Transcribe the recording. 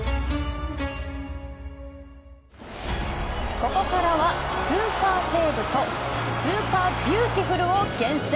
ここからはスーパーセーブとスーパービューティフルを厳選。